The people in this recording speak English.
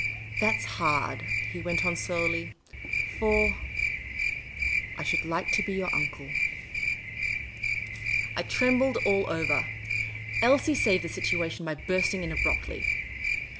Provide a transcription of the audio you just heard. •' That 's hard," he went on, slowly. " For ... I should like to be your uncle." The Urbane Old Gentleman 1/5 I trembled all over. Elsie saved the situation by bursting in abruptly'.